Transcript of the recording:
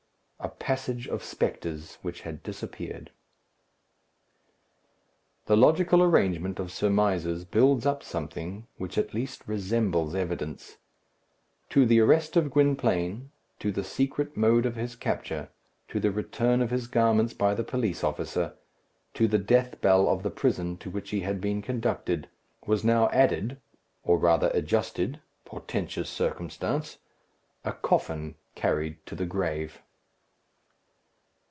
A passage of spectres, which had disappeared. The logical arrangement of surmises builds up something which at least resembles evidence. To the arrest of Gwynplaine, to the secret mode of his capture, to the return of his garments by the police officer, to the death bell of the prison to which he had been conducted, was now added, or rather adjusted portentous circumstance a coffin carried to the grave.